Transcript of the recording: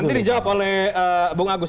nanti dijawab oleh bu magus